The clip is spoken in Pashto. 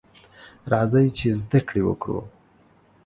راځئ ! چې زده کړې وکړو.